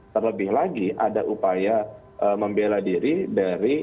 terlebih lagi ada upaya membela diri dari